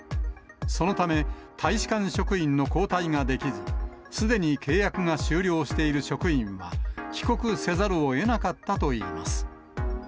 そのため、大使館職員の交代ができず、すでに契約が終了している職員は、帰国せざるをえなかったといいます。